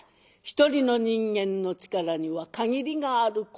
一人の人間の力には限りがある。